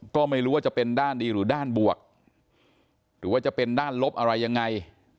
ก็ไม่รู้ว่าจะเป็นด้านดีหรือด้านบวกหรือว่าจะเป็นด้านลบอะไรยังไง